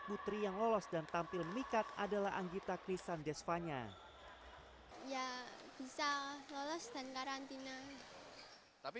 putri yang lolos dan tampil memikat adalah anggita krisan desvanya ya bisa lolos dan karantina tapi